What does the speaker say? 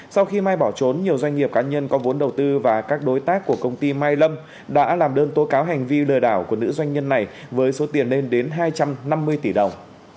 sau khi mai bỏ trốn nhiều doanh nghiệp cá nhân có vốn đầu tư và các đối tác của công ty mai lâm đã làm đơn tố cáo hành vi lừa đảo của nữ doanh nhân này với số tiền lên đến hai trăm năm mươi tỷ đồng